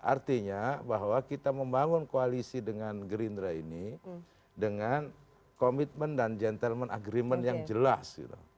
artinya bahwa kita membangun koalisi dengan gerindra ini dengan komitmen dan gentleman agreement yang jelas